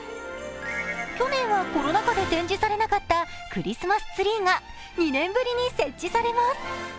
去年はコロナ禍で展示されなかったクリスマスツリーが２年ぶりに設置されます。